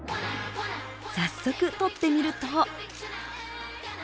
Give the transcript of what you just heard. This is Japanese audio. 早速、撮ってみると。